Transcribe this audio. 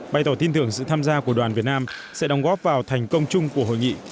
bày tỏ tin tưởng sự tham gia của đoàn việt nam sẽ đóng góp vào thành công chung của hội nghị